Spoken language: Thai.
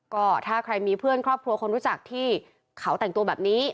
ก็ถ้าใครมีเพื่อนครอบครัวคนรู้จักที่เขาแต่งตัวแบบนี้